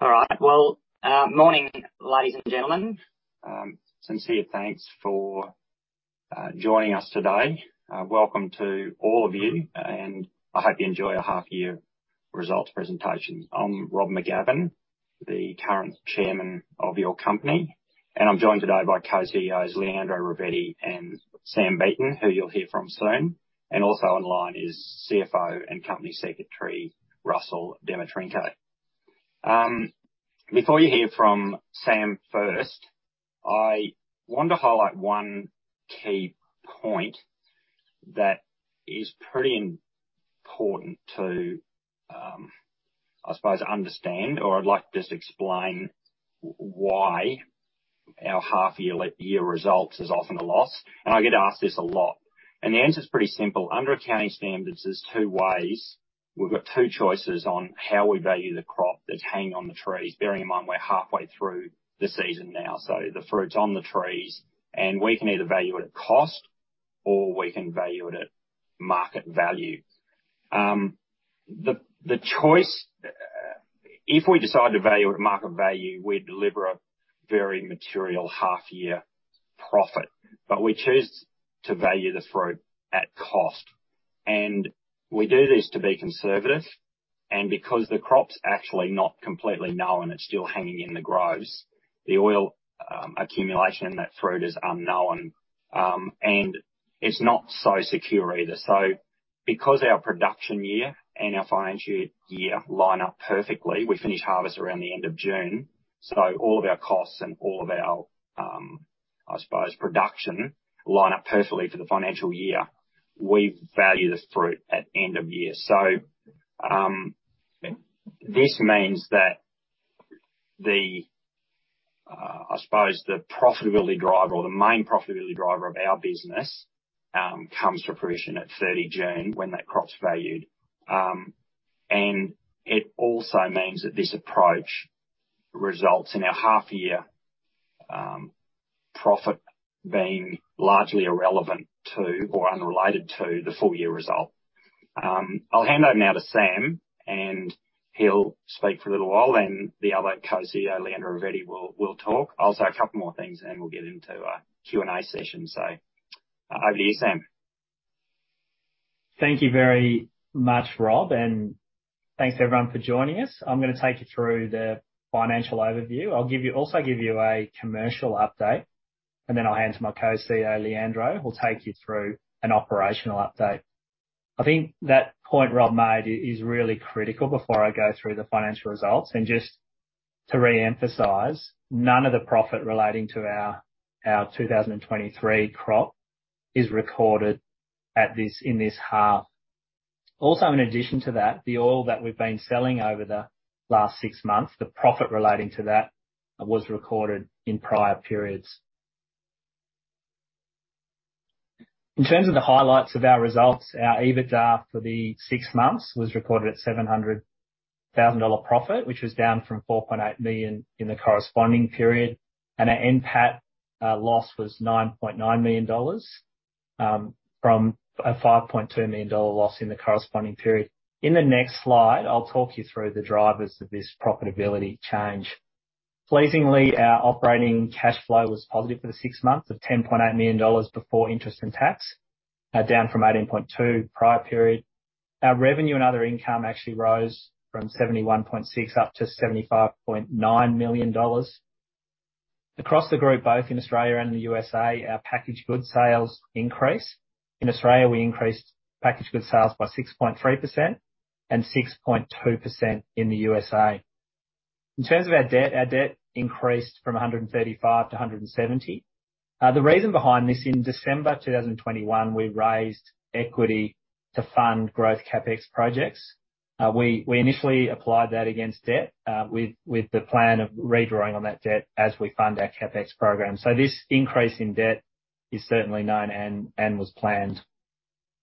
All right. Well, morning, ladies and gentlemen. Sincere thanks for joining us today. Welcome to all of you, and I hope you enjoy our half year results presentation. I'm Rob McGavin, the current chairman of your company, and I'm joined today by co-CEOs Leandro Ravetti and Sam Beaton, who you'll hear from soon. Also online is CFO and Company Secretary Russell Dmytrenko. Before you hear from Sam first, I want to highlight one key point that is pretty important to, I suppose, understand, or I'd like to just explain why our half year results is often a loss. I get asked this a lot, the answer is pretty simple. Under accounting standards, there's two ways. We've got two choices on how we value the crop that's hanging on the trees. Bearing in mind we're halfway through the season now, so the fruit's on the trees, and we can either value it at cost or we can value it at market value. The choice, if we decide to value at market value, we deliver a very material half year profit, but we choose to value the fruit at cost. We do this to be conservative and because the crop's actually not completely known, it's still hanging in the groves. The oil accumulation in that fruit is unknown, and it's not so secure either. Because our production year and our financial year line up perfectly, we finish harvest around the end of June. All of our costs and all of our, I suppose, production line up perfectly for the financial year, we value the fruit at end of year. This means that the I suppose the profitability driver or the main profitability driver of our business comes to fruition at 30 June when that crop's valued. It also means that this approach results in our half year profit being largely irrelevant to or unrelated to the full year result. I'll hand over now to Sam, and he'll speak for a little while, the other co-CEO, Leandro Ravetti, will talk. I'll say a couple more things, and then we'll get into our Q&A session. Over to you, Sam. Thank you very much, Rob, and thanks everyone for joining us. I'm gonna take you through the financial overview. I'll also give you a commercial update, and then I'll hand to my co-CEO, Leandro, who'll take you through an operational update. I think that point Rob made is really critical before I go through the financial results. Just to reemphasize, none of the profit relating to our 2023 crop is recorded at this, in this half. In addition to that, the oil that we've been selling over the last six months, the profit relating to that was recorded in prior periods. In terms of the highlights of our results, our EBITDA for the six months was recorded at 700,000 dollar profit, which was down from 4.8 million in the corresponding period. Our NPAT loss was 9.9 million dollars from an 5.2 million dollar loss in the corresponding period. In the next slide, I'll talk you through the drivers of this profitability change. Pleasingly, our operating cash flow was positive for the six months of 10.8 million dollars before interest and tax, down from 18.2 million prior period. Our revenue and other income actually rose from 71.6 million up to 75.9 million dollars. Across the group, both in Australia and the USA, our packaged goods sales increased. In Australia, we increased packaged goods sales by 6.3% and 6.2% in the USA. In terms of our debt, our debt increased from 135 million-170 million. The reason behind this, in December 2021, we raised equity to fund growth CapEx projects. We initially applied that against debt, with the plan of redrawing on that debt as we fund our CapEx program. This increase in debt is certainly known and was planned.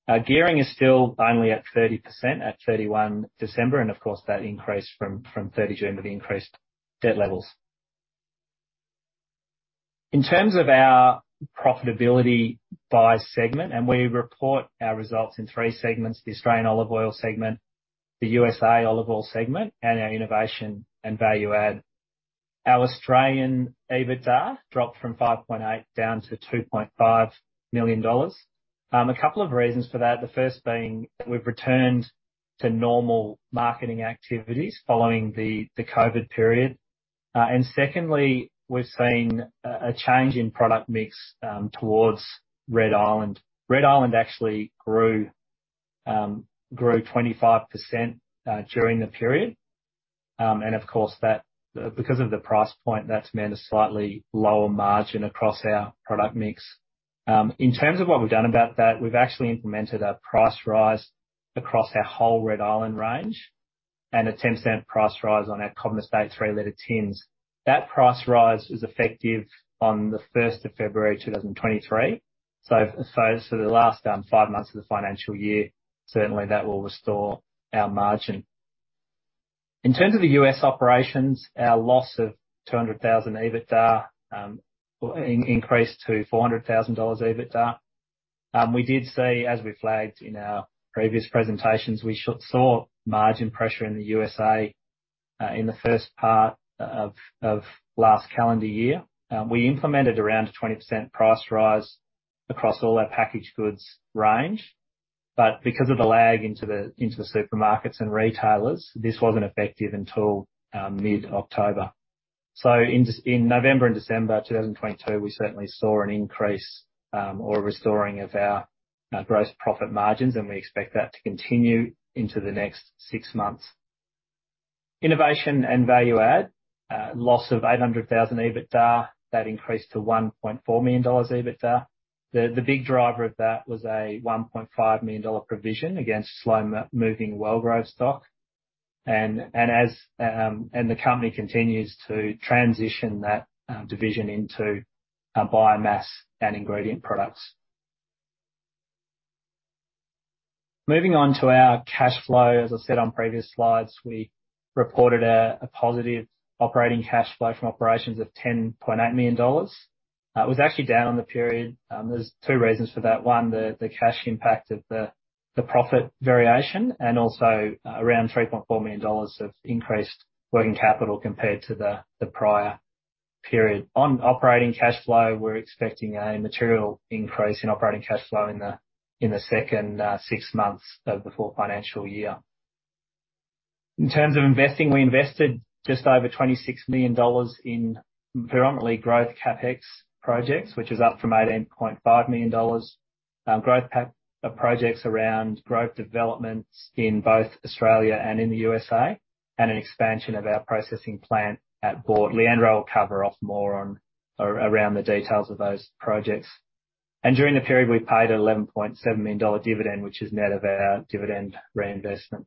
Our gearing is still only at 30% at 31 December, and of course that increased from 30 June with the increased debt levels. In terms of our profitability by segment, we report our results in three segments, the Australian olive oil segment, the USA olive oil segment, and our innovation and value add. Our Australian EBITDA dropped from 5.8 million down to 2.5 million dollars. A couple of reasons for that. The first being we've returned to normal marketing activities following the COVID period. Secondly, we're seeing a change in product mix towards Red Island. Red Island actually grew 25% during the period. Of course that, because of the price point, that's meant a slightly lower margin across our product mix. In terms of what we've done about that, we've actually implemented a price rise across our whole Red Island range and a 0.10 Price rise on our Cobram Estate 3 L tins. That price rise is effective on the 1stof February 2023. For the last five months of the financial year, certainly that will restore our margin. In terms of the U.S. operations, our loss of 200,000 EBITDA increased to 400,000 dollars EBITDA. We did see, as we flagged in our previous presentations, we saw margin pressure in the USA in the first part of last calendar year. We implemented around a 20% price rise across all our packaged goods range. But because of the lag into the supermarkets and retailers, this wasn't effective until mid-October. In November and December 2022, we certainly saw an increase or restoring of our gross profit margins, and we expect that to continue into the next six months. Innovation and value add, loss of 800,000 EBITDA, that increased to 1.4 million dollars EBITDA. The big driver of that was an 1.5 million dollar provision against slow m-moving Wellgrove stock. As the company continues to transition that division into biomass and ingredient products. Moving on to our cash flow. As I said on previous slides, we reported a positive operating cash flow from operations of 10.8 million dollars. It was actually down on the period. There's two reasons for that. One, the cash impact of the profit variation and also around 3.4 million dollars of increased working capital compared to the prior period. On operating cash flow, we're expecting a material increase in operating cash flow in the second six months of the full financial year. In terms of investing, we invested just over 26 million dollars in permanently growth CapEx projects, which is up from 18.5 million dollars. Growth projects around growth developments in both Australia and in the USA, and an expansion of our processing plant at Boort. Leandro will cover off more around the details of those projects. During the period, we paid 11.7 million dollar dividend, which is net of our dividend reinvestment.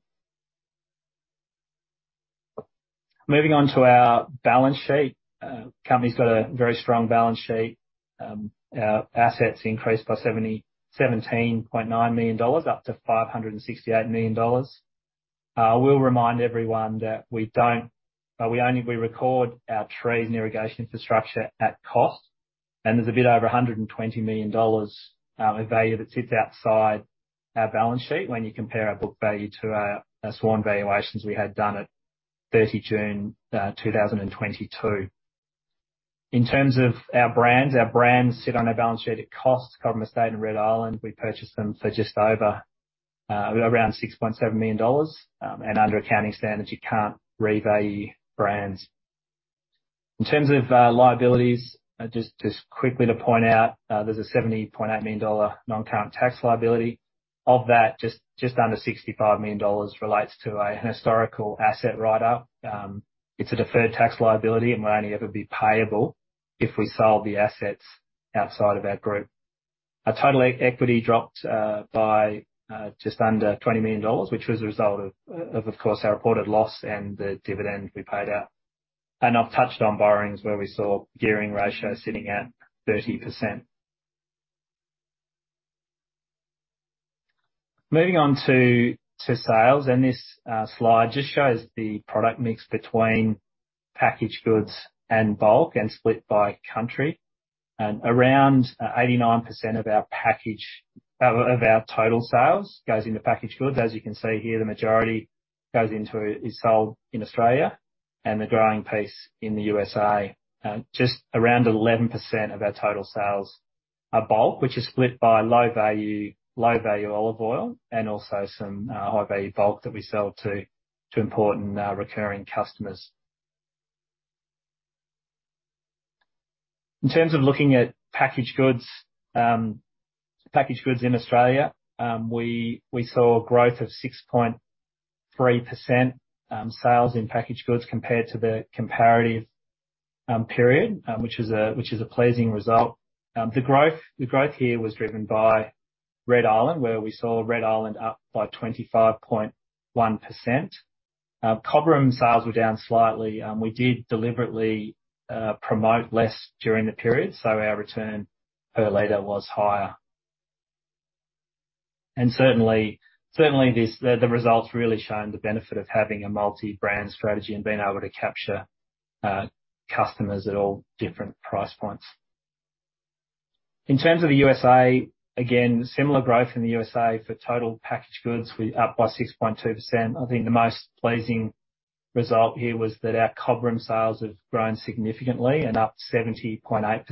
Moving on to our balance sheet. The company's got a very strong balance sheet. Our assets increased by 17.9 million dollars, up to 568 million dollars. We'll remind everyone that we record our trees and irrigation infrastructure at cost, and there's a bit over 120 million dollars in value that sits outside our balance sheet when you compare our book value to our sworn valuations we had done at 30 June 2022. In terms of our brands, our brands sit on our balance sheet at cost, Cobram Estate and Red Island. We purchased them for just over, around 6.7 million dollars. Under accounting standards, you can't revalue brands. In terms of liabilities, just quickly to point out, there's a 70.8 million dollar non-current tax liability. Of that, just under 65 million dollars relates to an historical asset write up. It's a deferred tax liability, and would only ever be payable if we sell the assets outside of our group. Our total equity dropped by just under 20 million dollars, which was a result of course, our reported loss and the dividend we paid out. I've touched on borrowings, where we saw gearing ratio sitting at 30%. Moving on to sales, this slide just shows the product mix between packaged goods and bulk, and split by country. Around 89% of our total sales goes into packaged goods. As you can see here, the majority is sold in Australia and the growing piece in the USA. Just around 11% of our total sales are bulk, which is split by low value olive oil and also some high value bulk that we sell to important recurring customers. In terms of looking at packaged goods, packaged goods in Australia, we saw growth of 6.3% sales in packaged goods compared to the comparative period, which is a pleasing result. The growth here was driven by Red Island, where we saw Red Island up by 25.1%. Cobram sales were down slightly. We did deliberately promote less during the period, so our return per liter was higher. Certainly, the results really shown the benefit of having a multi-brand strategy and being able to capture customers at all different price points. In terms of the USA, again, similar growth in the USA for total packaged goods, up by 6.2%. I think the most pleasing result here was that our Cobram sales have grown significantly and up 70.8%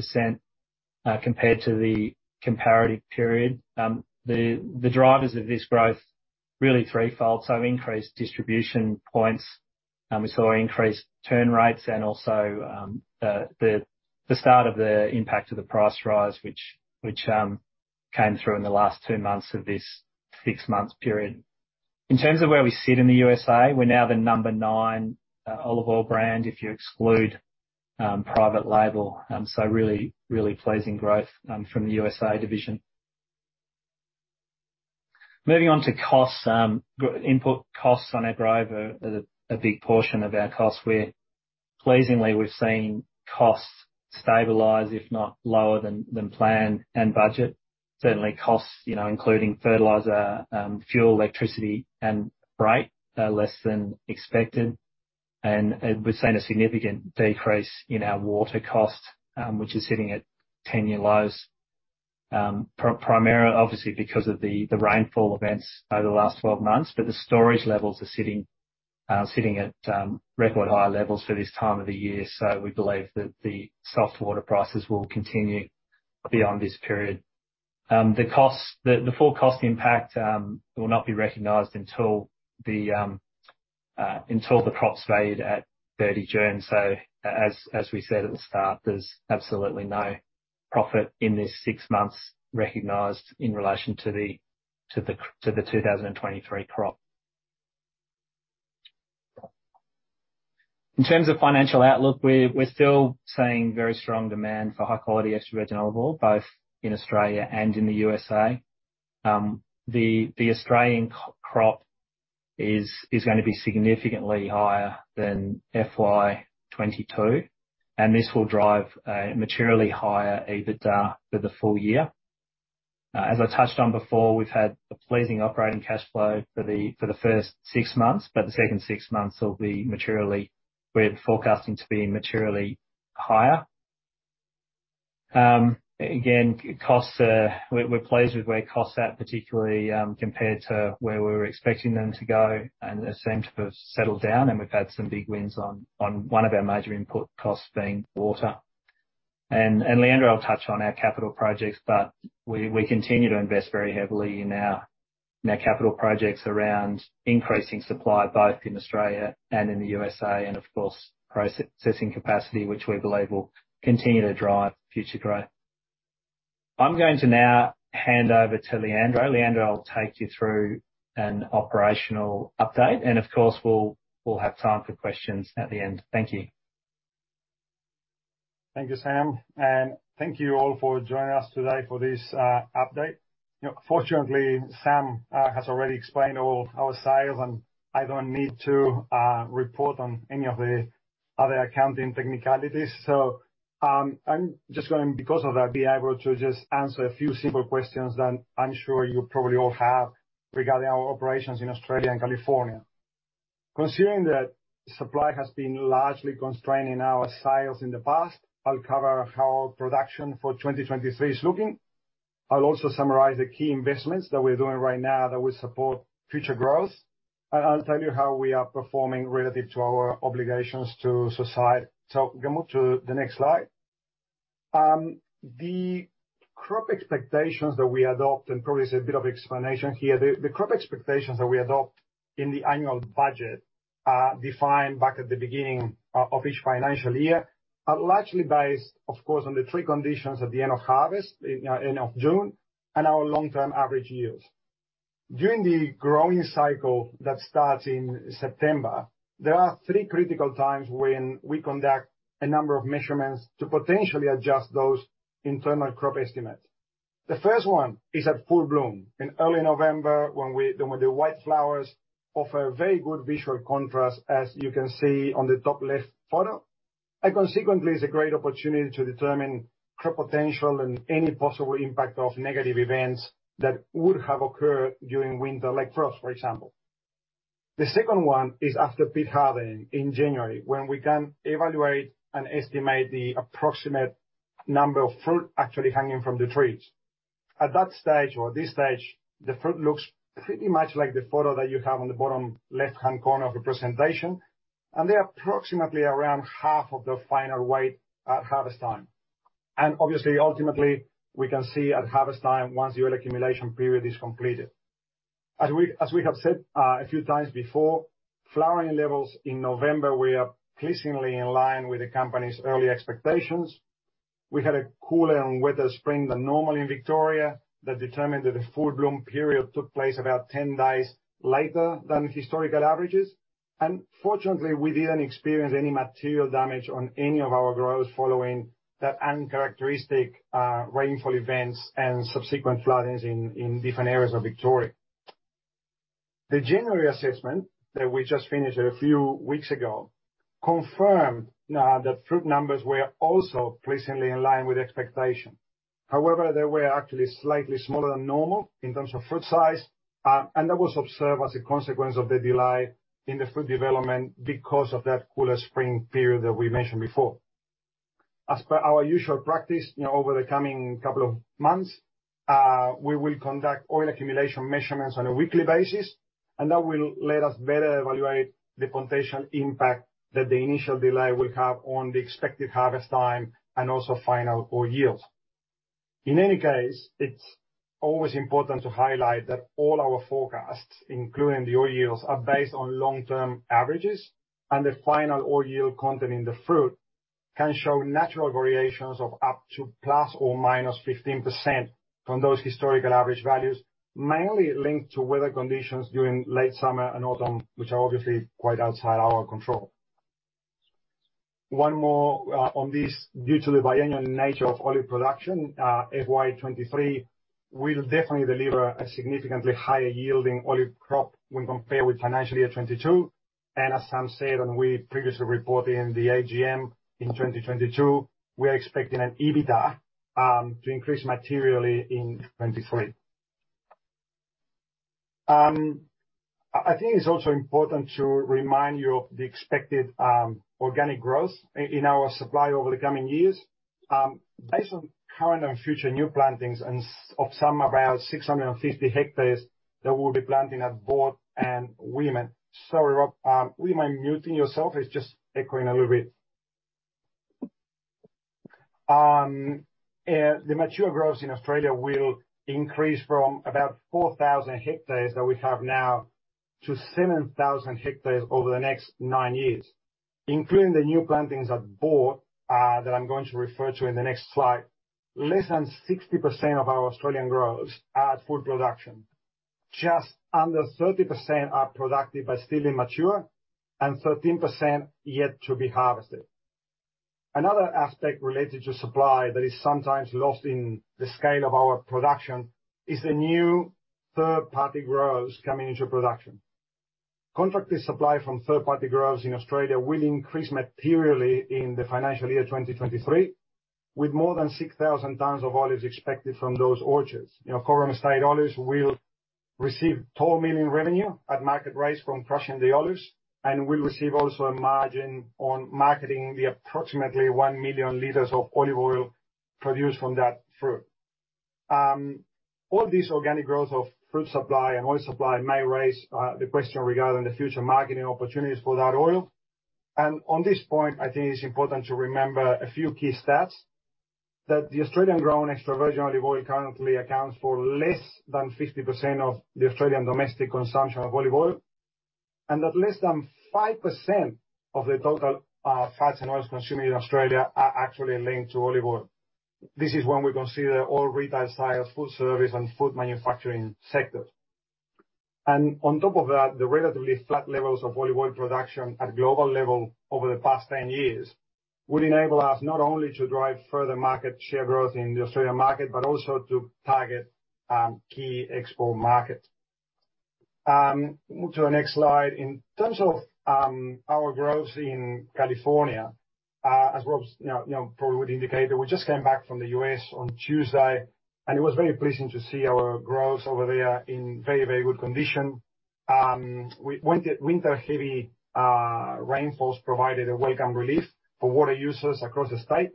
compared to the comparative period. The drivers of this growth really threefold. Increased distribution points, we saw increased turn rates and also the start of the impact of the price rise which came through in the last two months of this six-month period. In terms of where we sit in the USA, we're now the number nine olive oil brand if you exclude private label. So really, really pleasing growth from the USA division. Moving on to costs. Input costs on our grove are a big portion of our costs, where pleasingly we've seen costs stabilize, if not lower than planned and budget. Certainly costs, you know, including fertilizer, fuel, electricity and freight are less than expected. We've seen a significant decrease in our water cost, which is sitting at 10-year lows, obviously because of the rainfall events over the last 12 months. The storage levels are sitting at record high levels for this time of the year. We believe that the soft water prices will continue beyond this period. The full cost impact will not be recognized until the crop's made at 30 June. As we said at the start, there's absolutely no profit in this six months recognized in relation to the 2023 crop. In terms of financial outlook, we're still seeing very strong demand for high-quality extra virgin olive oil, both in Australia and in the USA. The Australian crop is gonna be significantly higher than FY 2022, and this will drive a materially higher EBITDA for the full year. As I touched on before, we've had a pleasing operating cash flow for the first six months, but the second six months we're forecasting to be materially higher. Again, We're pleased with where costs are at, particularly compared to where we were expecting them to go, and they seem to have settled down, and we've had some big wins on one of our major input costs being water. Leandro will touch on our capital projects, but we continue to invest very heavily in our capital projects around increasing supply, both in Australia and in the USA, and of course, processing capacity, which we believe will continue to drive future growth. I'm going to now hand over to Leandro. Leandro will take you through an operational update, and of course, we'll have time for questions at the end. Thank you. Thank you, Sam. Thank you all for joining us today for this update. You know, fortunately, Sam has already explained all our sales, and I don't need to report on any of the other accounting technicalities. I'm just going, because of that, be able to just answer a few simple questions that I'm sure you probably all have regarding our operations in Australia and California. Considering that supply has been largely constraining our sales in the past, I'll cover how production for 2023 is looking. I'll also summarize the key investments that we're doing right now that will support future growth. I'll tell you how we are performing relative to our obligations to society. Can we go to the next slide? The crop expectations that we adopt, and probably there's a bit of explanation here. The crop expectations that we adopt in the annual budget, defined back at the beginning of each financial year, are largely based, of course, on the tree conditions at the end of harvest, end of June, and our long-term average yields. During the growing cycle that starts in September, there are three critical times when we conduct a number of measurements to potentially adjust those internal crop estimates. The first one is at full bloom in early November when the white flowers offer a very good visual contrast, as you can see on the top left photo, and consequently is a great opportunity to determine crop potential and any possible impact of negative events that would have occurred during winter, like frost, for example. The second one is after pit hardening in January, when we can evaluate and estimate the approximate number of fruit actually hanging from the trees. At that stage, or this stage, the fruit looks pretty much like the photo that you have on the bottom left-hand corner of the presentation, and they're approximately around half of their final weight at harvest time. Obviously, ultimately, we can see at harvest time once the oil accumulation period is completed. As we have said, a few times before, flowering levels in November were pleasingly in line with the company's early expectations. We had a cooler and wetter spring than normal in Victoria that determined that the full bloom period took place about 10 days later than historical averages. Fortunately, we didn't experience any material damage on any of our growers following that uncharacteristic rainfall events and subsequent floodings in different areas of Victoria. The January assessment that we just finished a few weeks ago confirmed that fruit numbers were also pleasingly in line with expectation. However, they were actually slightly smaller than normal in terms of fruit size, and that was observed as a consequence of the delay in the fruit development because of that cooler spring period that we mentioned before. As per our usual practice, you know, over the coming couple of months, we will conduct oil accumulation measurements on a weekly basis, and that will let us better evaluate the potential impact that the initial delay will have on the expected harvest time and also final oil yields. In any case, it's always important to highlight that all our forecasts, including the oil yields, are based on long-term averages, and the final oil yield content in the fruit can show natural variations of up to ±15% from those historical average values, mainly linked to weather conditions during late summer and autumn, which are obviously quite outside our control. One more on this. Due to the biennial nature of olive production, FY 23 will definitely deliver a significantly higher yielding olive crop when compared with financial year 2022. As Sam said, and we previously reported in the AGM in 2022, we are expecting an EBITDA to increase materially in 2023. I think it's also important to remind you of the expected organic growth in our supply over the coming years. Based on current and future new plantings of some around 650 hectares that we'll be planting at Boort and Wemen. Sorry, Rob, would you mind muting yourself? It's just echoing a little bit. The mature groves in Australia will increase from about 4,000 hectares that we have now to 7,000 hectares over the next nine years, including the new plantings at Boort that I'm going to refer to in the next slide. Less than 60% of our Australian groves are at full production. Just under 30% are productive but still immature, and 13% yet to be harvested. Another aspect related to supply that is sometimes lost in the scale of our production is the new third-party groves coming into production. Contracted supply from third party groves in Australia will increase materially in the financial year 2023, with more than 6,000 tons of olives expected from those orchards. You know, Cobram Estate Olives will receive total million revenue at market rates from crushing the olives, and we'll receive also a margin on marketing the approximately 1 million L of olive oil produced from that fruit. all this organic growth of fruit supply and oil supply may raise the question regarding the future marketing opportunities for that oil. On this point, I think it's important to remember a few key stats: that the Australian grown extra virgin olive oil currently accounts for less than 50% of the Australian domestic consumption of olive oil, and that less than 5% of the total fats and oils consumed in Australia are actually linked to olive oil. This is when we consider all retail sales, food service, and food manufacturing sectors. On top of that, the relatively flat levels of olive oil production at global level over the past 10 years would enable us not only to drive further market share growth in the Australian market but also to target key export markets. Move to the next slide. In terms of our growth in California, as Rob's, you know, you know, probably would indicate that we just came back from the U.S. on Tuesday, and it was very pleasing to see our groves over there in very, very good condition. Winter heavy rainfalls provided a welcome relief for water users across the state.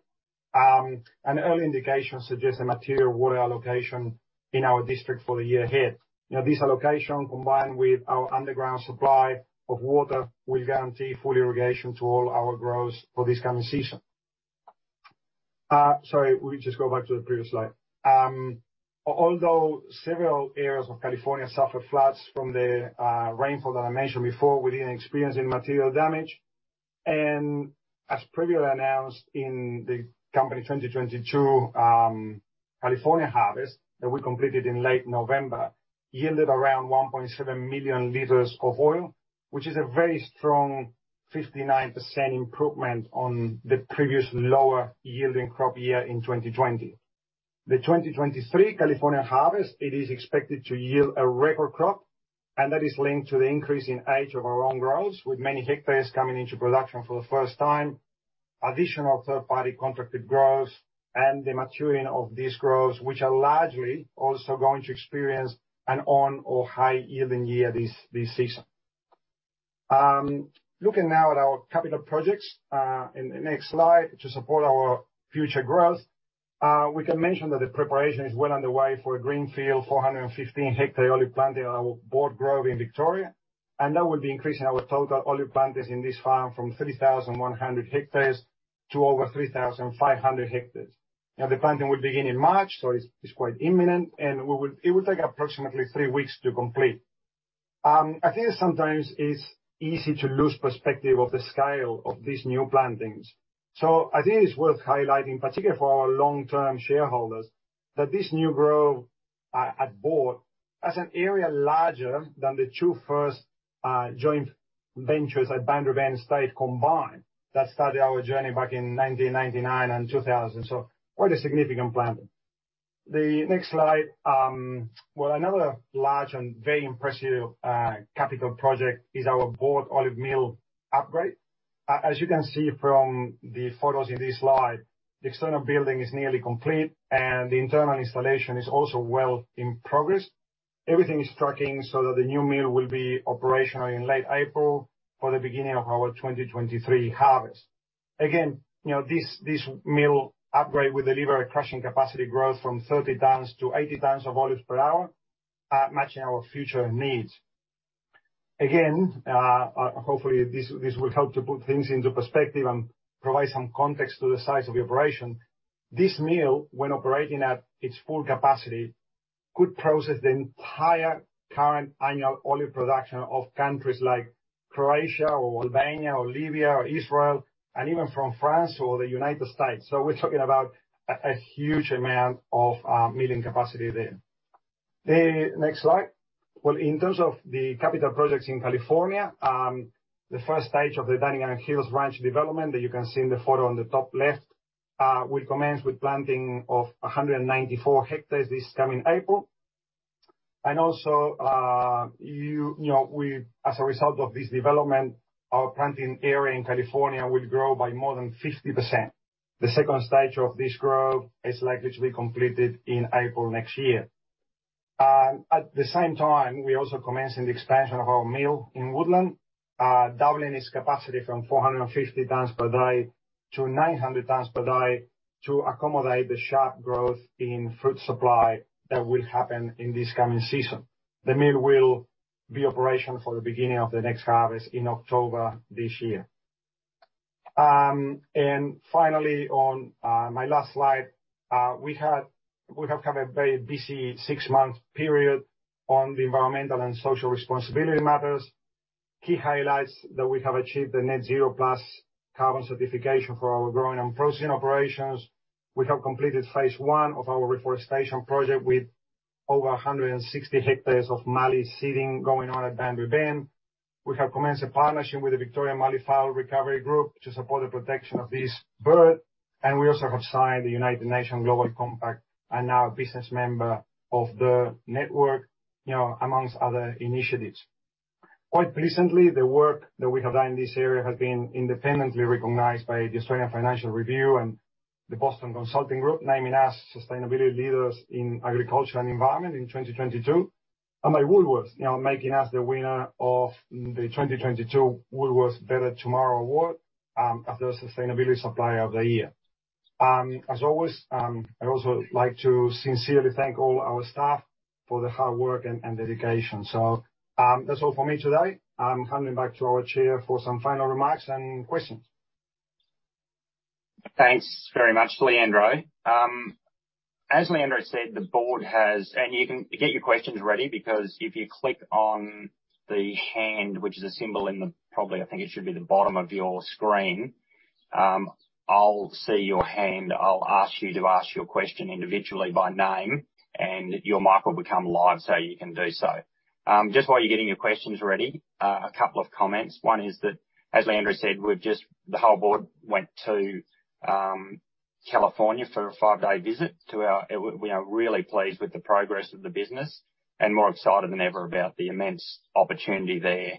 Early indications suggest a material water allocation in our district for the year ahead. Now, this allocation, combined with our underground supply of water, will guarantee full irrigation to all our groves for this coming season. Sorry, will you just go back to the previous slide? Although several areas of California suffered floods from the rainfall that I mentioned before, we didn't experience any material damage. As previously announced in the company 2022, California harvest that we completed in late November, yielded around 1.7 million L of oil, which is a very strong 59% improvement on the previous lower yielding crop year in 2020. The 2023 California harvest, it is expected to yield a record crop, and that is linked to the increase in age of our own groves, with many hectares coming into production for the first time, additional third-party contracted groves, and the maturing of these groves, which are largely also going to experience an on or high yielding year this season. Looking now at our capital projects, in the next slide, to support our future growth, we can mention that the preparation is well underway for a greenfield 415 hectare olive planting at our Boort Grove in Victoria, and that will be increasing our total olive plantings in this farm from 3,100 hectares to over 3,500 hectares. The planting will begin in March, so it's quite imminent, and it will take approximately three weeks to complete. I think it sometimes is easy to lose perspective of the scale of these new plantings. I think it's worth highlighting, particularly for our long-term shareholders, that this new grove at Boort is an area larger than the two first joint ventures at Boundary Bend and Cobram Estate combined that started our journey back in 1999 and 2000. Quite a significant planting. The next slide, well, another large and very impressive capital project is our Boort Olive Mill upgrade. As you can see from the photos in this slide, the external building is nearly complete, and the internal installation is also well in progress. Everything is tracking so that the new mill will be operational in late April for the beginning of our 2023 harvest. You know, this mill upgrade will deliver a crushing capacity growth from 30 tons-80 tons of olives per hour, matching our future needs. Hopefully this will help to put things into perspective and provide some context to the size of the operation. This mill, when operating at its full capacity, could process the entire current annual olive production of countries like Croatia or Albania or Libya or Israel and even from France or the United States. We're talking about a huge amount of milling capacity there. The next slide. Well, in terms of the capital projects in California, the first stage of the Dunnigan Hills Ranch development that you can see in the photo on the top left, will commence with planting of 194 hectares this coming April. Also, you know, as a result of this development, our planting area in California will grow by more than 50%. The second stage of this growth is likely to be completed in April next year. At the same time, we're also commencing the expansion of our mill in Woodland, doubling its capacity from 450 tons per day-900 tons per day to accommodate the sharp growth in fruit supply that will happen in this coming season. The mill will be operational for the beginning of the next harvest in October this year. Finally, on my last slide, we have had a very busy six-month period on the environmental and social responsibility matters. Key highlights that we have achieved the net zero plus carbon certification for our growing and processing operations. We have completed phase I of our reforestation project with over 160 hectares of Mallee seeding going on at Boundary Bend. We have commenced a partnership with the Victorian Malleefowl Recovery Group to support the protection of this bird. We also have signed the United Nations Global Compact, and now a business member of the network, you know, amongst other initiatives. Quite recently, the work that we have done in this area has been independently recognized by the Australian Financial Review and the Boston Consulting Group, naming us sustainability leaders in agriculture and environment in 2022, and by Woolworths, you know, making us the winner of the 2022 Woolworths Better Tomorrow Award, as the Sustainability Supplier of the Year. As always, I'd also like to sincerely thank all our staff for their hard work and dedication. That's all for me today. I'm handing back to our chair for some final remarks and questions. Thanks very much, Leandro. As Leandro said, the board has. You can get your questions ready, because if you click on the hand, which is a symbol in the, probably, I think it should be the bottom of your screen, I'll see your hand. I'll ask you to ask your question individually by name, and your mic will become live, so you can do so. Just while you're getting your questions ready, a couple of comments. One is that, as Leandro said, the whole board went to California for a five-day visit to our... We are really pleased with the progress of the business and more excited than ever about the immense opportunity there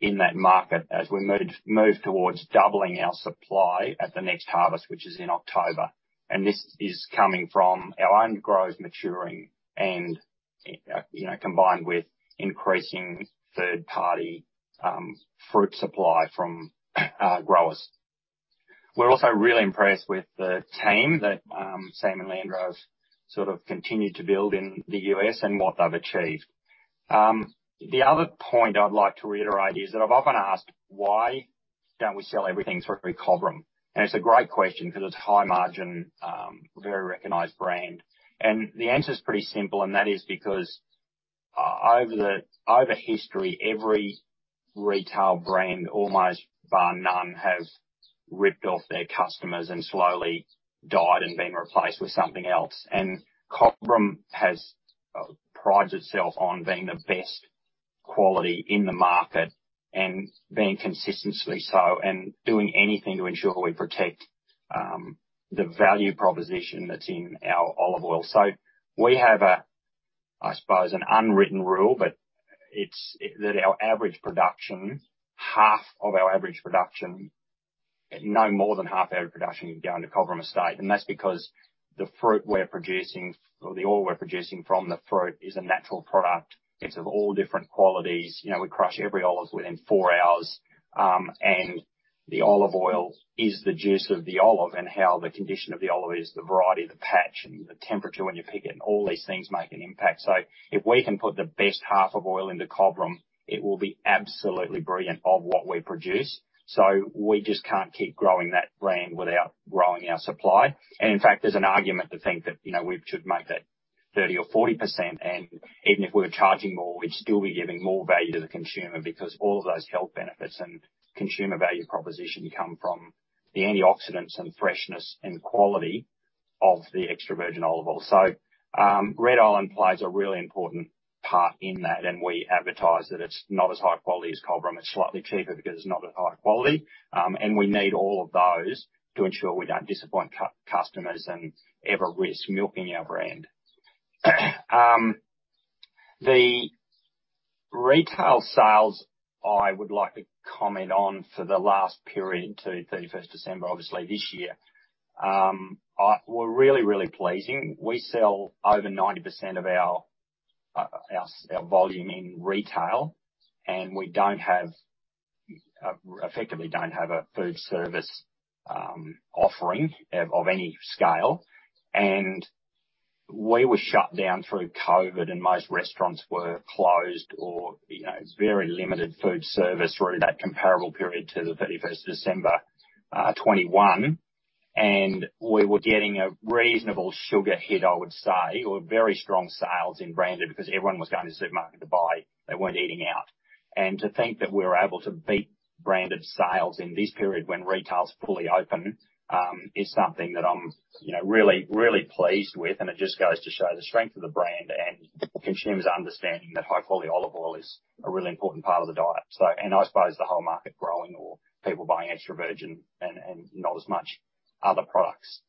in that market as we move towards doubling our supply at the next harvest, which is in October. This is coming from our own growers maturing and, you know, combined with increasing third-party fruit supply from growers. We're also really impressed with the team that Sam and Leandro have sort of continued to build in the U.S. and what they've achieved. The other point I'd like to reiterate is that I've often asked, "Why don't we sell everything through Cobram?" It's a great question because it's high margin, very recognized brand. The answer is pretty simple, and that is because over history, every retail brand, almost bar none, have ripped off their customers and slowly died and been replaced with something else. Cobram has prides itself on being the best quality in the market and being consistently so and doing anything to ensure we protect the value proposition that's in our olive oil. We have a, I suppose, an unwritten rule, but it's that our average production, half of our average production, no more than half our production can go into Cobram Estate. That's because the fruit we're producing or the oil we're producing from the fruit is a natural product. It's of all different qualities. You know, we crush every olive within four hours, and the olive oil is the juice of the olive, and how the condition of the olive is, the variety, the patch, and the temperature when you pick it, and all these things make an impact. If we can put the best half of oil into Cobram Estate, it will be absolutely brilliant of what we produce. We just can't keep growing that brand without growing our supply. In fact, there's an argument to think that, you know, we should make that 30% or 40%. Even if we're charging more, we'd still be giving more value to the consumer because all of those health benefits and consumer value proposition come from the antioxidants and freshness and quality of the extra virgin olive oil. Red Island plays a really important part in that, and we advertise that it's not as high quality as Cobram. It's slightly cheaper because it's not as high quality. And we need all of those to ensure we don't disappoint customers and ever risk milking our brand. The retail sales I would like to comment on for the last period to 31st December, obviously this year, were really, really pleasing. We sell over 90% of our volume in retail, we don't have, effectively don't have a food service offering of any scale. We were shut down through COVID, and most restaurants were closed or, you know, very limited food service through that comparable period to the 31st December 2021. We were getting a reasonable sugar hit, I would say, or very strong sales in branded because everyone was going to the supermarket to buy. They weren't eating out. To think that we're able to beat branded sales in this period when retail is fully open, is something that I'm, you know, really, really pleased with, and it just goes to show the strength of the brand and consumers understanding that high-quality olive oil is a really important part of the diet. I suppose the whole market growing or people buying extra virgin and not as much other products.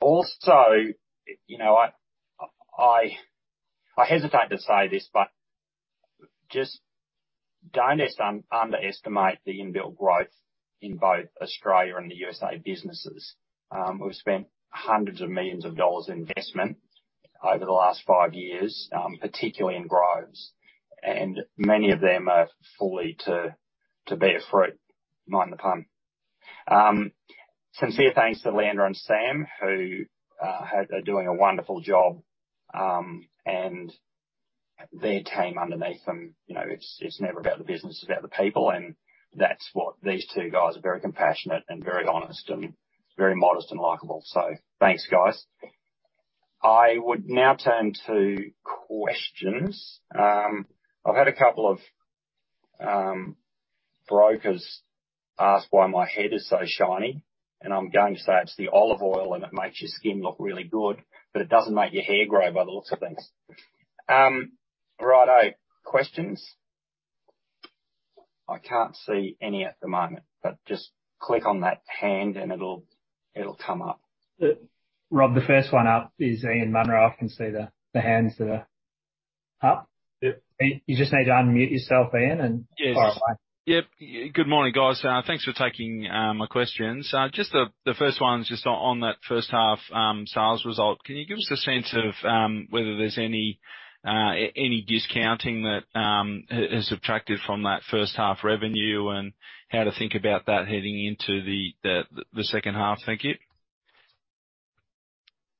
also, you know, I hesitate to say this, but just don't underestimate the inbuilt growth in both Australia and the USA businesses. we've spent hundreds of millions of dollars in investment over the last five years, particularly in groves, and many of them are fully to bear fruit, mind the pun. sincere thanks to Leandro and Sam, who are doing a wonderful job, and their team underneath them. You know, it's never about the business, it's about the people. That's what these two guys are very compassionate and very honest and very modest and likable. Thanks, guys. I would now turn to questions. I've had a couple of brokers ask why my head is so shiny. I'm going to say it's the olive oil. It makes your skin look really good, but it doesn't make your hair grow by the looks of things. Righto. Questions? I can't see any at the moment. Just click on that hand and it'll come up. Rob, the first one up is Ian Munro. I can see the hands that are up. Yep. You just need to unmute yourself, Ian, and fire away. Yes. Yep. Good morning, guys. Thanks for taking my questions. Just the first one's just on that first half sales result. Can you give us a sense of whether there's any discounting that is subtracted from that first half revenue and how to think about that heading into the second half? Thank you.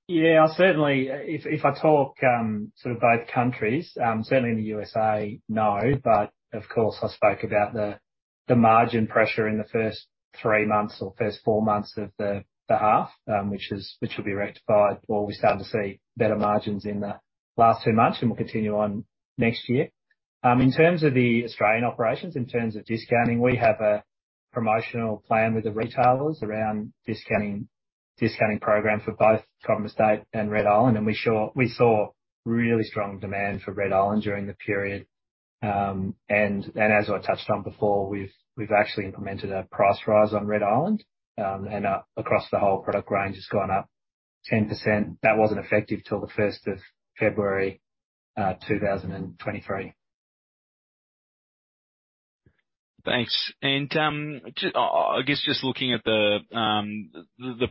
Yeah, certainly. If I talk, sort of both countries, certainly in the USA, no. Of course, I spoke about the margin pressure in the first three months or first four months of the half, which will be rectified, or we're starting to see better margins in the last two months, and we'll continue on next year. In terms of the Australian operations, in terms of discounting, we have a promotional plan with the retailers around discounting program for both Cobram Estate and Red Island. We saw really strong demand for Red Island during the period. As I touched on before, we've actually implemented a price rise on Red Island, and across the whole product range has gone up 10%. That wasn't effective till the 1st of February, 2023. Thanks. I guess just looking at the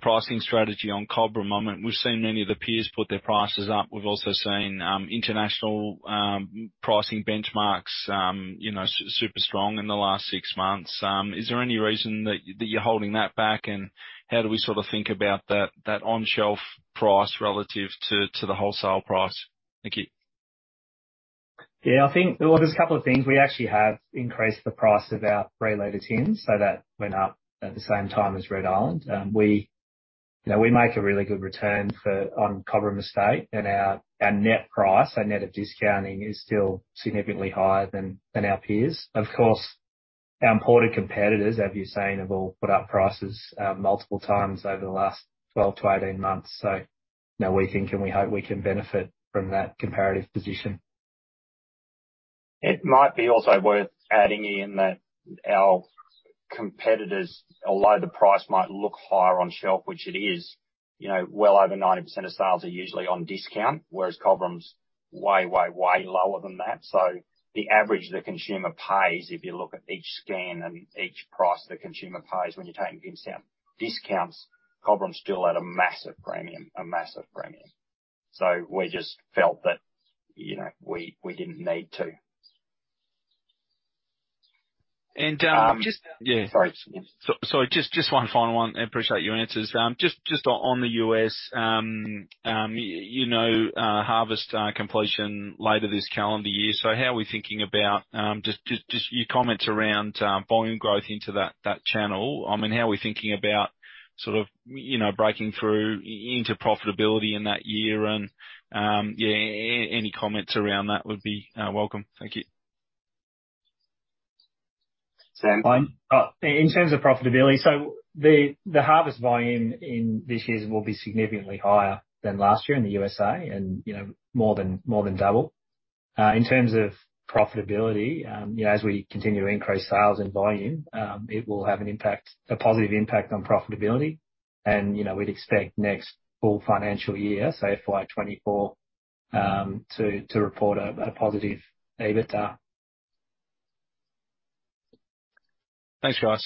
pricing strategy on Cobram at the moment, we've seen many of the peers put their prices up. We've also seen international pricing benchmarks, you know, super strong in the last six months. Is there any reason that you're holding that back? How do we sort of think about that on-shelf price relative to the wholesale price? Thank you. Yeah, I think. Well, there's a couple of things. We actually have increased the price of our 3 L tins, so that went up at the same time as Red Island. We, you know, we make a really good return for, on Cobram Estate. Our, our net price, so net of discounting, is still significantly higher than our peers. Of course, our imported competitors, as you've seen, have all put up prices, multiple times over the last 12 months-18 months. You know, we think and we hope we can benefit from that comparative position. It might be also worth adding in that our competitors, although the price might look higher on shelf, which it is, you know, well over 90% of sales are usually on discount, whereas Cobram's way, way lower than that. The average the consumer pays, if you look at each scan and each price the consumer pays when you're taking into account discounts, Cobram's still at a massive premium. We just felt that, you know, we didn't need to. And, um. Just. Yeah. Sorry. Sorry. Just one final one. I appreciate your answers. Just on the U.S., you know, harvest completion later this calendar year. How are we thinking about just your comments around volume growth into that channel? I mean, how are we thinking about sort of, you know, breaking through into profitability in that year? Yeah, any comments around that would be welcome. Thank you. Sam. In terms of profitability, the harvest volume in this year will be significantly higher than last year in the USA and, you know, more than double. In terms of profitability, you know, as we continue to increase sales and volume, it will have an impact, a positive impact on profitability. You know, we'd expect next full financial year, so FY 2024, to report a positive EBITDA. Thanks, guys.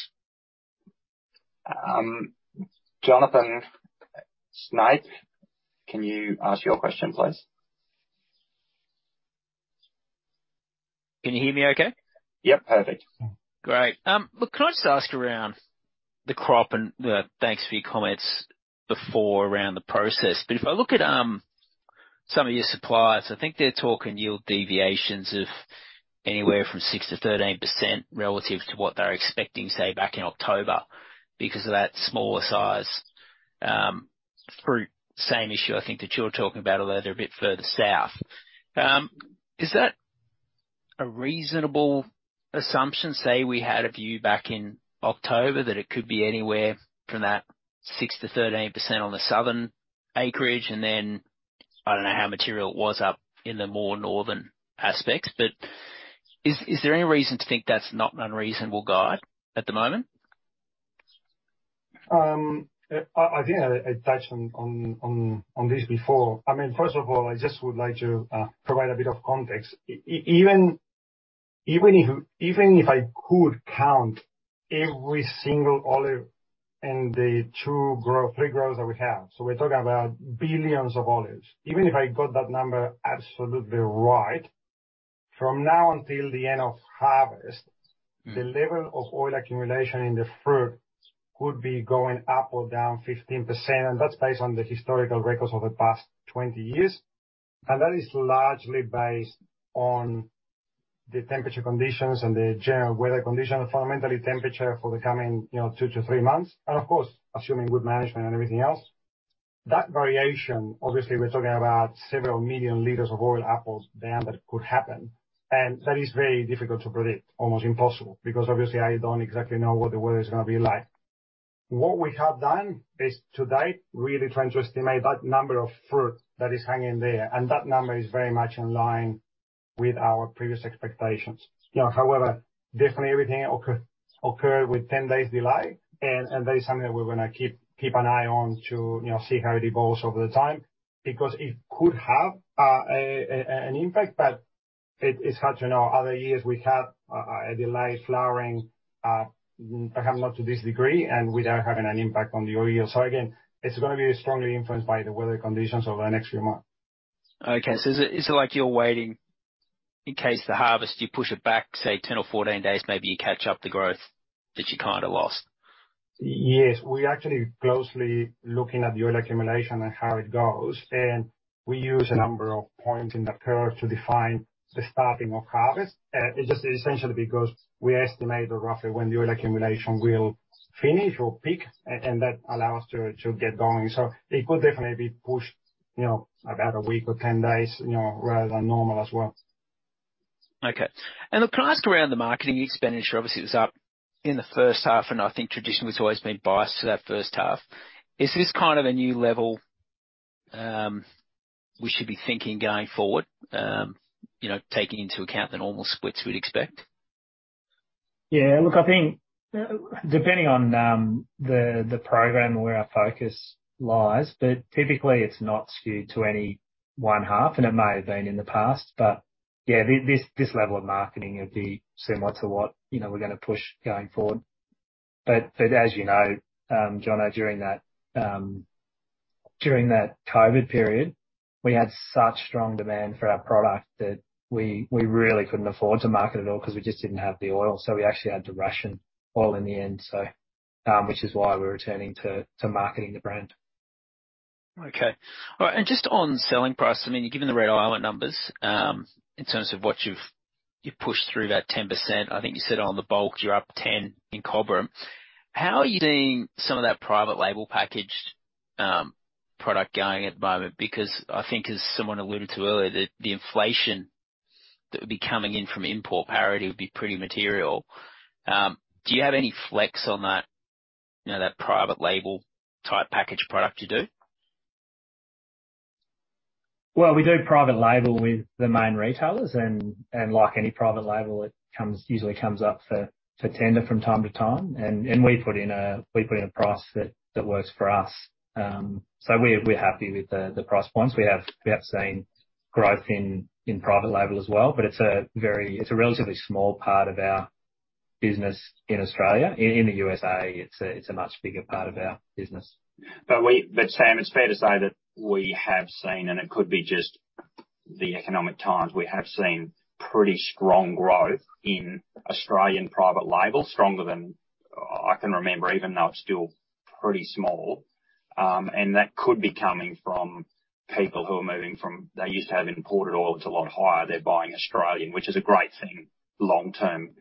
Jonathan Snape, can you ask your question, please? Can you hear me okay? Yep. Perfect. Great. Look, can I just ask around the crop, and thanks for your comments before around the process. If I look at some of your suppliers, I think they're talking yield deviations of anywhere from 6%-13% relative to what they were expecting, say, back in October because of that smaller size fruit. Same issue I think that you're talking about, although they're a bit further south. Is that a reasonable assumption? Say, we had a view back in October that it could be anywhere from that 6%-13% on the southern acreage, and then I don't know how material it was up in the more northern aspects. Is there any reason to think that's not an unreasonable guide at the moment? I think I touched on this before. I mean, first of all, I just would like to provide a bit of context. Even, even if, even if I could count every single olive in the two groves, three groves that we have, so we're talking about billions of olives. Even if I got that number absolutely right, from now until the end of harvest. Mm-hmm. The level of oil accumulation in the fruit could be going up or down 15%, that's based on the historical records over the past 20 years. That is largely based on the temperature conditions and the general weather conditions, fundamentally temperature for the coming, you know, two to three months. Of course, assuming good management and everything else. That variation, obviously we're talking about several million liters of oil up or down, that could happen. That is very difficult to predict, almost impossible, because obviously I don't exactly know what the weather is gonna be like. What we have done is to date, really trying to estimate that number of fruit that is hanging there. That number is very much in line with our previous expectations. You know, however, definitely everything occurred with 10 days delay. That is something that we're gonna keep an eye on to, you know, see how it evolves over the time, because it could have an impact, but it's hard to know. Other years we had a delayed flowering, perhaps not to this degree and without having an impact on the oil user. Again, it's gonna be strongly influenced by the weather conditions over the next few months. Okay. Is it like you're waiting in case the harvest, you push it back, say 10 or 14 days, maybe you catch up the growth that you kinda lost? Yes. We're actually closely looking at the oil accumulation and how it goes. We use a number of points in the curve to define the starting of harvest. It's just essentially because we estimate roughly when the oil accumulation will finish or peak. That allow us to get going. It could definitely be pushed, you know, about a week or 10 days, you know, rather than normal as well. Okay. Can I ask around the marketing expenditure, obviously it was up in the first half, and I think traditionally it's always been biased to that first half. Is this kind of a new level, we should be thinking going forward, you know, taking into account the normal splits we'd expect? Yeah, look, I think, depending on the program where our focus lies, but typically it's not skewed to any one half, and it may have been in the past, but yeah, this level of marketing would be similar to what, you know, we're gonna push going forward. As you know, Jono, during that COVID period, we had such strong demand for our product that we really couldn't afford to market at all because we just didn't have the oil, so we actually had to ration oil in the end. Which is why we're returning to marketing the brand. Okay. All right. Just on selling price, I mean, given the Red Island numbers, in terms of what you've pushed through that 10%, I think you said on the bulk, you're up 10 in Cobram Estate. How are you doing some of that private label packaged product going at the moment? I think as someone alluded to earlier, the inflation that would be coming in from import parity would be pretty material. Do you have any flex on that, you know, that private label type packaged product you do? We do private label with the main retailers and like any private label, usually comes up for tender from time to time. We put in a price that works for us. We're happy with the price points. We have seen growth in private label as well, but it's a relatively small part of our business in Australia. In the USA it's a much bigger part of our business. Sam, it's fair to say that we have seen, and it could be just the economic times, we have seen pretty strong growth in Australian private label, stronger than I can remember, even though it's still pretty small. That could be coming from people who are moving from... They used to have imported oil, it's a lot higher. They're buying Australian, which is a great thing long term.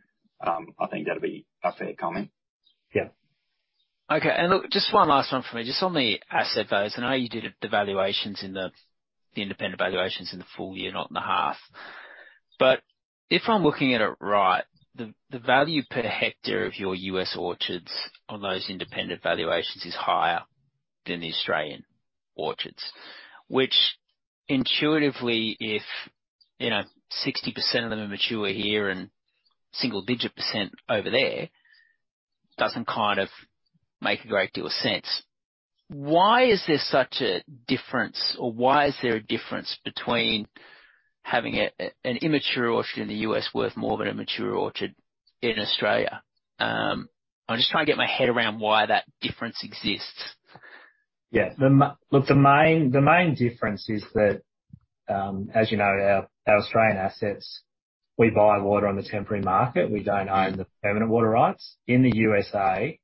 I think that'll be a fair comment. Yeah. Okay. Look, just one last one from me. Just on the asset values, I know you did the valuations in the independent valuations in the full year, not in the half. If I'm looking at it right, the value per hectare of your U.S. orchards on those independent valuations is higher than the Australian orchards, which intuitively, if you know 60% of them are mature here and single-digit percent over there, doesn't kind of make a great deal of sense. Why is there such a difference or why is there a difference between having an immature orchard in the U.S. worth more than a mature orchard in Australia? I'm just trying to get my head around why that difference exists. Yeah. Look, the main difference is that, as you know, our Australian assets, we buy water on the temporary market, we don't own the permanent water rights. In the USA,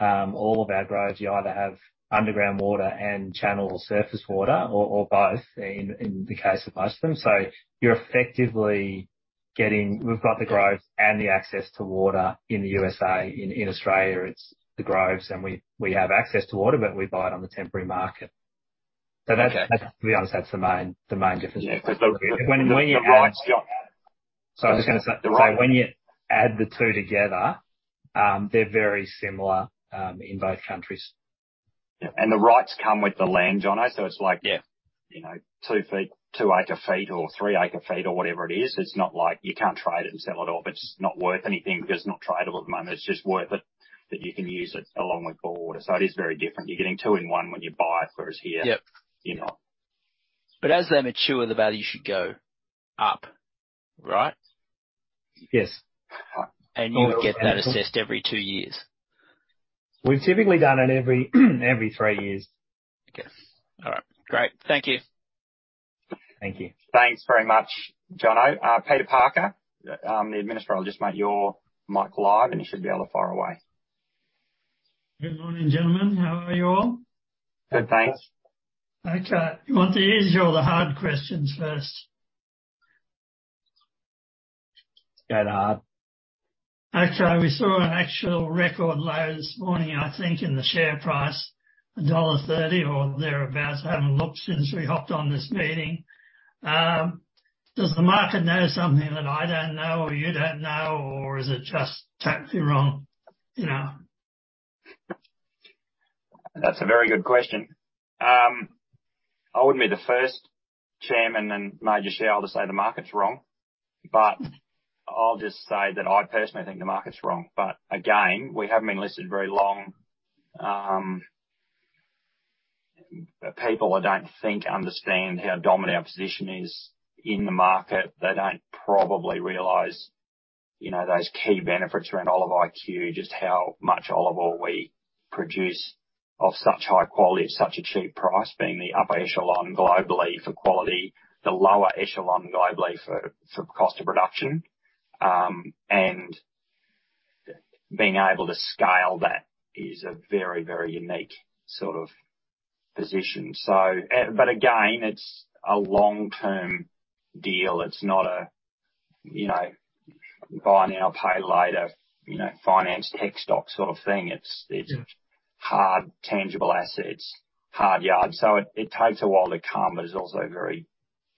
all of our groves either have underground water and channel surface water or both in the case of most of them. You effectively getting... We've got the groves and the access to water in the USA. In Australia it's the groves and we have access to water, but we buy it on the temporary market. Okay. That's to be honest, that's the main difference. Yeah. When you add. Right. Yeah. Sorry, I was just gonna say, when you add the two together, they're very similar, in both countries. Yeah. The rights come with the land, Jonna. It's like, yeah, you know. You know, 2 ft., 2 acre ft or 3 acre ft or whatever it is. It's not like you can't trade it and sell it off. It's not worth anything because it's not tradable at the moment. It's just worth it, that you can use it along with bore. The side is very different. You're getting two in one when you buy, whereas here you're not. Yep As they mature, the value should go up, right? Yes. You would get that assessed every two years. We've typically done it every three years. Okay. All right. Great. Thank you. Thank you. Thanks very much, Johnno. Peter Parker, the administrator. I'll just make your mic live, and you should be able to fire away. Good morning, gentlemen. How are you all? Good, thanks. Okay. You want the easy or the hard questions first? Let's go the hard. Okay. We saw an actual record low this morning, I think, in the share price, dollar 1.30 or thereabout. I haven't looked since we hopped on this meeting. Does the market know something that I don't know or you don't know, or is it just totally wrong, you know? That's a very good question. I wouldn't be the first chairman and major shareholder to say the market's wrong, but I'll just say that I personally think the market's wrong. Again, we haven't been listed very long. People, I don't think understand how dominant our position is in the market. They don't probably realize, you know, those key benefits around Oliv.iQ, just how much olive oil we produce of such high quality at such a cheap price, being the upper echelon globally for quality, the lower echelon globally for cost of production. Being able to scale that is a very, very unique sort of position. Again, it's a long-term deal. It's not a, you know, buy now, pay later, you know, finance tech stock sort of thing. It's, it's hard, tangible assets, hard yards. It takes a while to come, but it's also very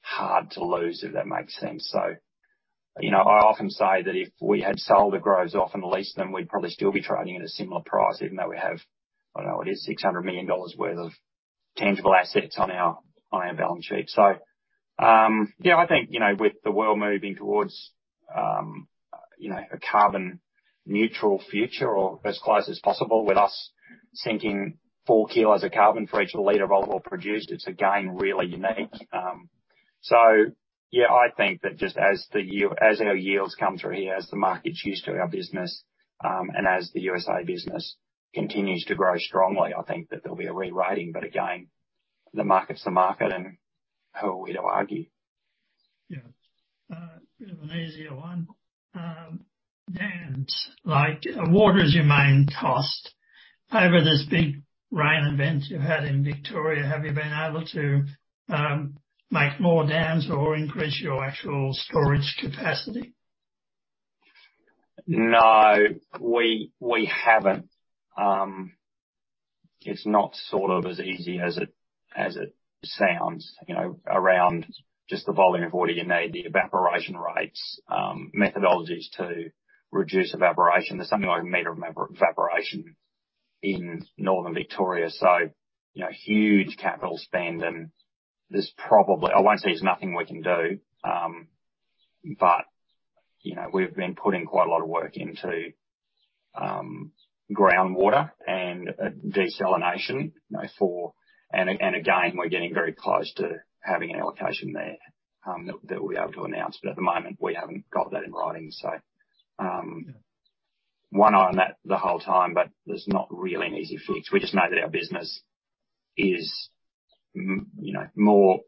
hard to lose, if that makes sense. You know, I often say that if we had sold the groves off and leased them, we'd probably still be trading at a similar price, even though we have, I don't know what it is, 600 million dollars worth of tangible assets on our balance sheet. Yeah, I think, you know, with the world moving towards, you know, a carbon neutral future or as close as possible, with us sinking 4 kls of carbon for each liter of olive oil produced, it's again, really unique. Yeah, I think that just as our yields come through here, as the market's used to our business, and as the USA business continues to grow strongly, I think that there'll be a re-rating. Again, the market's the market and who are we to argue? Bit of an easier one. Dams. Like, water is your main cost. Over this big rain event you had in Victoria, have you been able to make more dams or increase your actual storage capacity? No, we haven't. It's not sort of as easy as it sounds, you know, around just the volume of water you need, the evaporation rates, methodologies to reduce evaporation. There's something like a meter of evaporation in northern Victoria, you know, huge capital spend and there's probably. I won't say there's nothing we can do, but, you know, we've been putting quite a lot of work into groundwater and desalination, you know, for. Again, we're getting very close to having an allocation there that we'll be able to announce. At the moment, we haven't got that in writing. One eye on that the whole time, but there's not really an easy fix. We just know that our business is you know, more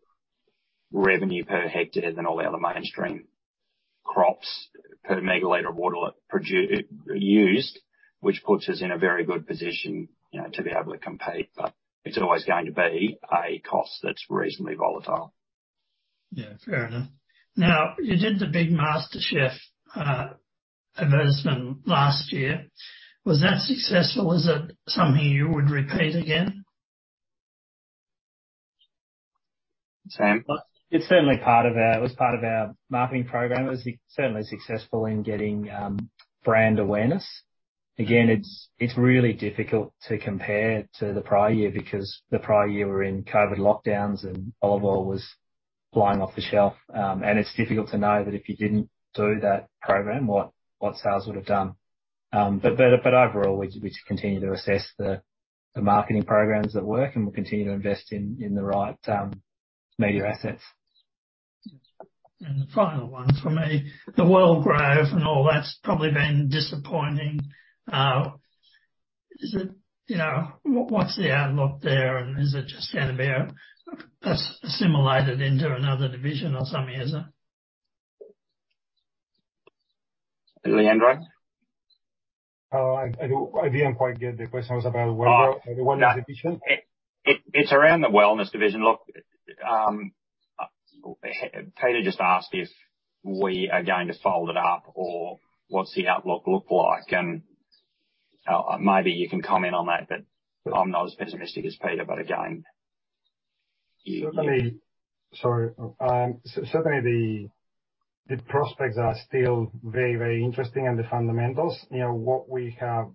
revenue per hectare than all the other mainstream crops per megaliter of water used, which puts us in a very good position, you know, to be able to compete. It's always going to be a cost that's reasonably volatile. Yeah. Fair enough. Now, you did the big MasterChef advertisement last year. Was that successful? Is it something you would repeat again? Sam? It was part of our marketing program. It was certainly successful in getting brand awareness. Again, it's really difficult to compare to the prior year because the prior year we were in COVID lockdowns and olive oil was flying off the shelf. It's difficult to know that if you didn't do that program, what sales would have done. Overall, we continue to assess the marketing programs that work, and we'll continue to invest in the right media assets. The final one from me, the Wellgrove and all that's probably been disappointing. Is it, you know, what's the outlook there and is it just gonna be a assimilated into another division or something, is it? Leandro? Oh, I didn't quite get the question. It was about Wellgrove? The one around well division? It's around the wellness division. Look, Peter just asked if we are going to fold it up or what's the outlook look like, and maybe you can comment on that, but I'm not as pessimistic as Peter. Again. Sorry. Certainly the prospects are still very, very interesting and the fundamentals. You know, what we have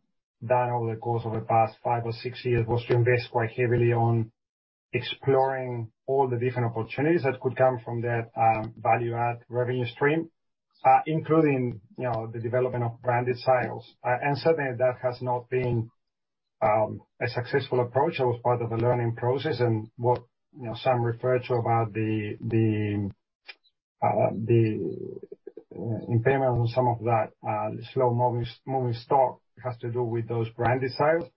done over the course of the past five or six years was to invest quite heavily on exploring all the different opportunities that could come from that value add revenue stream, including, you know, the development of branded sales. Certainly that has not been a successful approach. That was part of the learning process and what, you know, some refer to about the impairment on some of that slow moving stock has to do with those branded sales.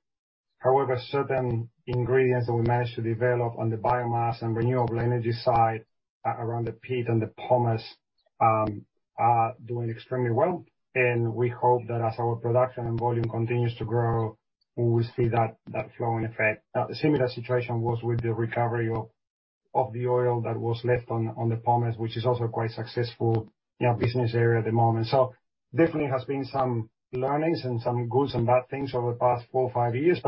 However, certain ingredients that we managed to develop on the biomass and renewable energy side, around the pit and the pomace, are doing extremely well. We hope that as our production and volume continues to grow, we will see that flow in effect. A similar situation was with the recovery of the oil that was left on the pomace, which is also quite successful, you know, business area at the moment. Definitely has been some learnings and some good and bad things over the past four or five years.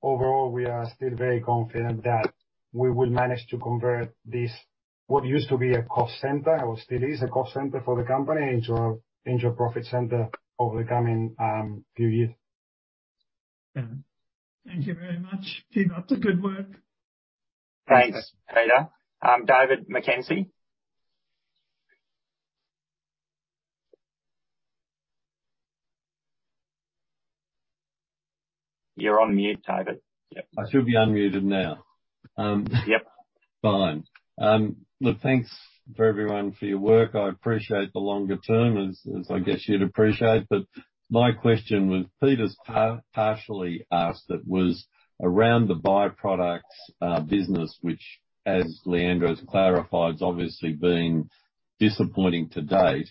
Overall, we are still very confident that we will manage to convert this, what used to be a cost center or still is a cost center for the company into a profit center over the coming few years. Yeah. Thank you very much. Keep up the good work. Thanks, Peter. David McKenzie. You're on mute, David. Yep. I should be unmuted now. Yep. Fine. Look, thanks for everyone for your work. I appreciate the longer term, as I guess you'd appreciate. My question was, Peter's partially asked, it was around the by-products business which as Leandro has clarified, has obviously been disappointing to date.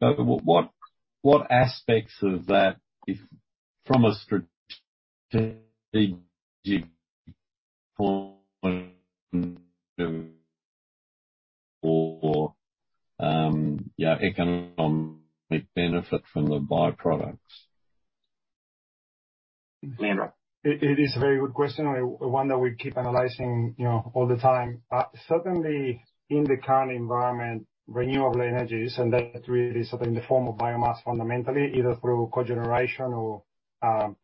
What aspects of that if from a strategic point of view or, yeah, economic benefit from the by-products? Leandro. It is a very good question, and one that we keep analyzing, you know, all the time. Certainly in the current environment, renewable energies, and that's really something in the form of biomass fundamentally, either through cogeneration or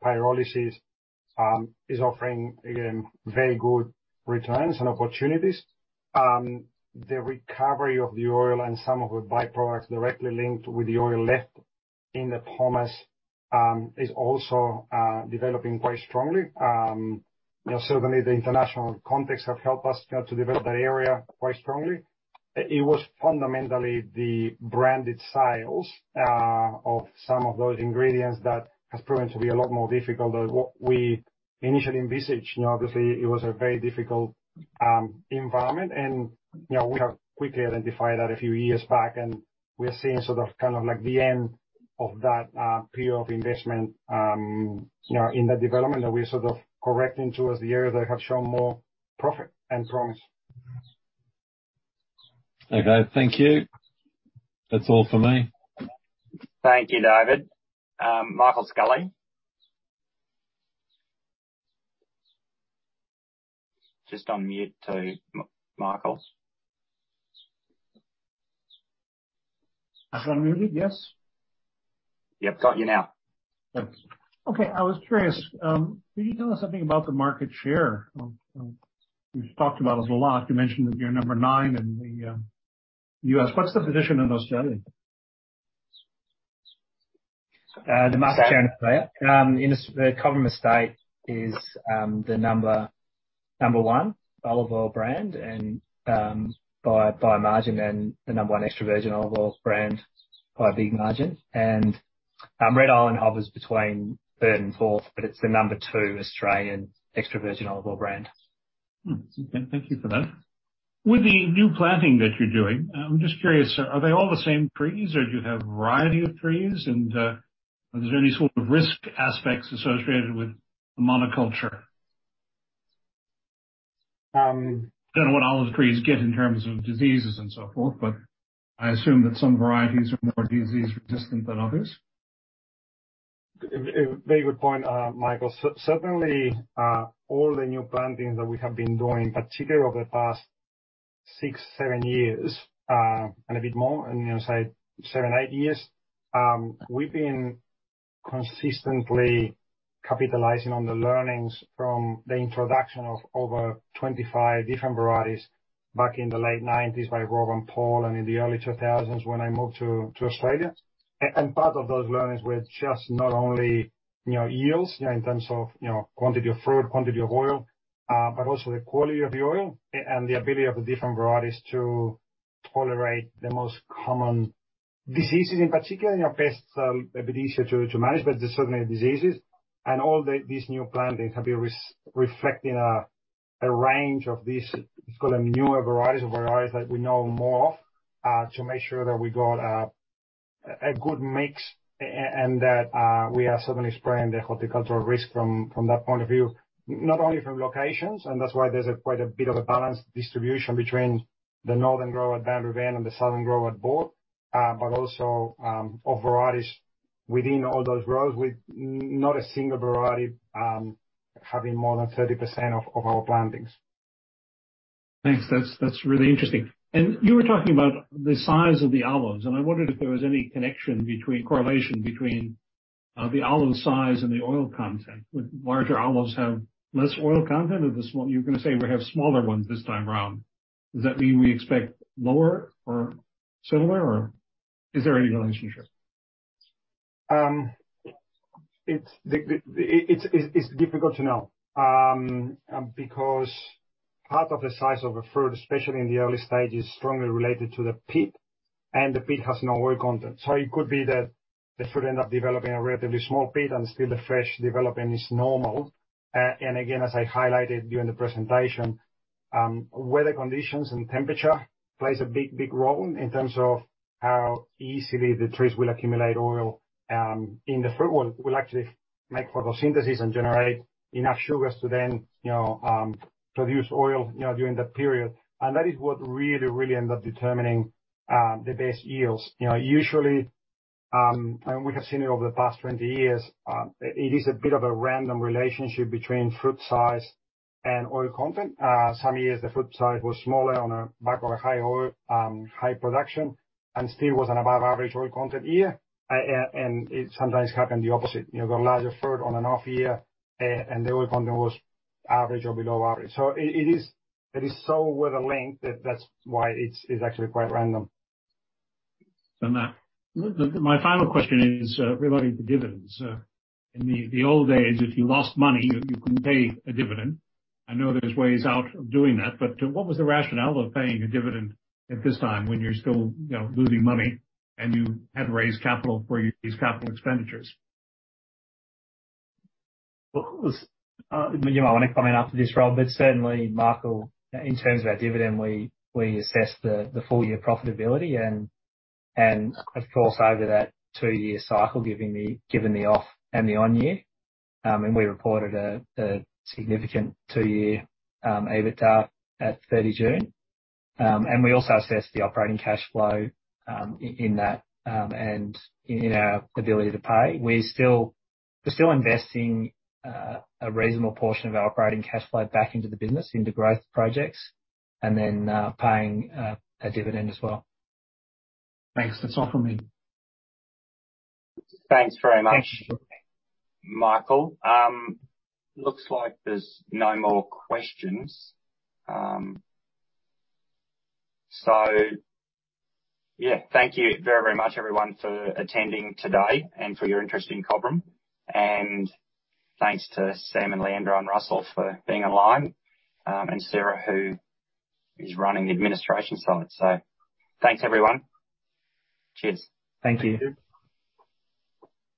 pyrolysis, is offering, again, very good returns and opportunities. The recovery of the oil and some of the by-products directly linked with the oil left in the pomace, is also developing quite strongly. You know, certainly the international context have helped us to develop that area quite strongly. It was fundamentally the branded sales of some of those ingredients that has proven to be a lot more difficult than what we initially envisaged. You know, obviously, it was a very difficult environment. You know, we have quickly identified that a few years back, and we are seeing sort of kind of like the end of that, period of investment, you know, in the development that we're sort of correcting towards the areas that have shown more profit and promise. Okay, thank you. That's all for me. Thank you, David. Michael Scully. Just on mute too, Michael. Unmuted, yes? Yep, got you now. Thanks. Okay, I was curious, can you tell us something about the market share of... You've talked about it a lot. You mentioned that you're number nine in the US. What's the position in Australia? The market share in Australia. Cobram Estate is the number one olive oil brand, and by a margin, and the number one extra virgin olive oil brand by a big margin. Red Island hovers between third and fourth, but it's the number two Australian extra virgin olive oil brand. Okay, thank you for that. With the new planting that you're doing, I'm just curious, are they all the same trees or do you have a variety of trees and, are there any sort of risk aspects associated with the monoculture? Um. Don't know what olive trees get in terms of diseases and so forth, but I assume that some varieties are more disease resistant than others. A very good point, Michael. Certainly, all the new plantings that we have been doing, particularly over the past six, seven years, and a bit more, and you can say seven, eight years, we've been consistently capitalizing on the learnings from the introduction of over 25 different varieties back in the late 1990s by Rob and Paul and in the early 2000s when I moved to Australia. Part of those learnings were just not only, you know, yields, you know, in terms of, you know, quantity of fruit, quantity of oil, but also the quality of the oil and the ability of the different varieties to tolerate the most common diseases in particular, you know, pests are a bit easier to manage, but there's certainly diseases. All these new plantings have been reflecting a range of these, you can call them newer varieties or varieties that we know more of, to make sure that we got a good mix and that we are certainly spreading the horticultural risk from that point of view. Not only from locations, and that's why there's quite a bit of a balanced distribution between the northern grower at Boundary Bend and the southern grower at Boort. Also, of varieties. Within all those groves, not a single variety having more than 30% of our plantings. Thanks. That's really interesting. You were talking about the size of the olives, I wondered if there was any correlation between the olive size and the oil content. Would larger olives have less oil content or the you were gonna say we have smaller ones this time around. Does that mean we expect lower or similar, or is there any relationship? It's difficult to know, because part of the size of a fruit, especially in the early stage, is strongly related to the pit, and the pit has no oil content. It could be that the fruit end up developing a relatively small pit and still the fresh development is normal. Again, as I highlighted during the presentation, weather conditions and temperature plays a big role in terms of how easily the trees will accumulate oil, in the fruit will actually make photosynthesis and generate enough sugars to then, you know, produce oil, you know, during that period. That is what really end up determining the best yields. You know, usually, we have seen it over the past 20 years, it is a bit of a random relationship between fruit size and oil content. Some years the fruit size was smaller on a back of a high oil, high production and still was an above average oil content year. It sometimes happened the opposite. You know, got a larger fruit on an off year, and the oil content was average or below average. So it is so weather-linked that that's why it's actually quite random. Now, my final question is relating to dividends. In the old days, if you lost money, you couldn't pay a dividend. I know there's ways out of doing that, but what was the rationale of paying a dividend at this time when you're still, you know, losing money and you had to raise capital for these capital expenditures? Well, of course, you might wanna comment after this, Rob McGavin, but certainly, Michael, in terms of our dividend, we assess the full year profitability and of course, over that two-year cycle, given the off and the on year. We reported a significant two-year EBITDA at June 30. We also assessed the operating cash flow in that and in our ability to pay. We're still investing a reasonable portion of our operating cash flow back into the business, into growth projects, paying a dividend as well. Thanks. That's all from me. Thanks very much, Michael. Looks like there's no more questions. Yeah. Thank you very, very much everyone for attending today and for your interest in Cobram. Thanks to Sam and Leandro and Russell for being online, and Sarah, who is running the administration side. Thanks, everyone. Cheers. Thank you.